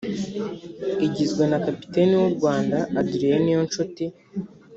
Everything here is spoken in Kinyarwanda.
igizwe na Kapiteni w’u Rwanda Adrien Niyonshuti